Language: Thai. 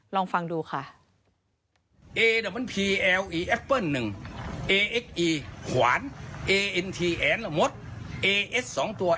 ลองฟังดูค่ะ